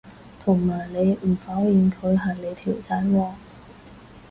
同埋你唔否認佢係你條仔喎